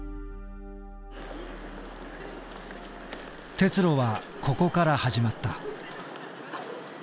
鉄路はここから始まった。